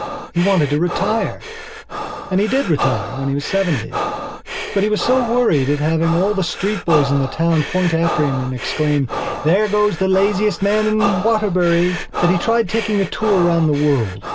He wanted to retire. And he did retire when he was seventy. But he was so worried at having all the street boys in the town point after him and exclaim: "There goes the laziest man in Waterbury!" that he tried taking a tour round the world.